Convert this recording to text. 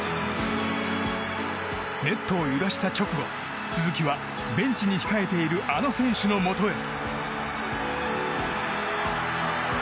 ネットを揺らした直後鈴木は、ベンチに控えているあの選手のもとへ。